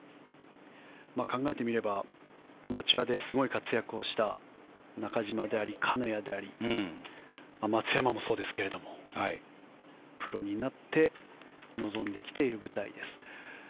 考えてみればアマチュアですごい活躍をした中島であり、金谷であり松山もそうですがプロになって臨んできている舞台です。